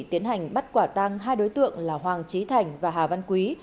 tiến hành bắt quả tăng hai đối tượng là hoàng trí thành và hà văn quý